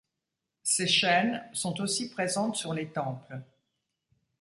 Ces chaînes sont aussi présentes sur les temples.